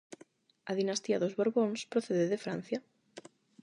A dinastía dos Borbóns procede de Francia.